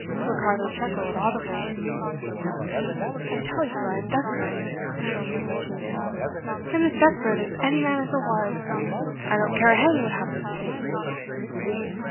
Ricardo chuckled audibly. "I tell you I am desperate," Schomberg repeated. "I am as desperate as any man ever was. I don't care a hang what happens to me!"